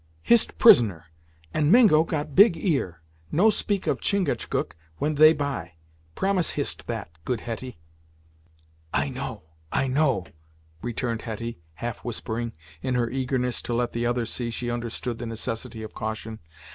"Hist prisoner, and Mingo got big ear. No speak of Chingachgook when they by. Promise Hist that, good Hetty." "I know I know " returned Hetty, half whispering, in her eagerness to let the other see she understood the necessity of caution.